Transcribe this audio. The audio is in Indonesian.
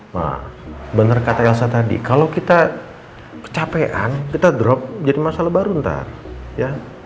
nah benar kata elsa tadi kalau kita kecapean kita drop jadi masalah baru ntar ya